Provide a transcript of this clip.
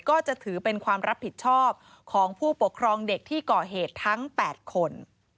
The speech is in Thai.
ก็จะถือเป็นความรับผิดชอบของผู้ปกครองเด็กที่ก่อเหตุทั้ง๘คน